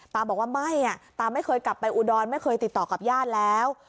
ตาบอกว่าไม่ตาไม่เคยกลับไปอุดรไม่เคยติดต่อกับญาติแล้ว